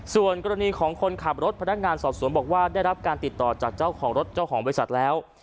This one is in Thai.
ส่วนกรณีของคนขับรถพนักงานสอบสวนบอกว่าได้รับการติดต่อจากเจ้าของรถเจ้าของบริษัทแล้ว